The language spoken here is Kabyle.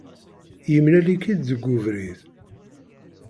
Yemlal-ik-id deg ubrid.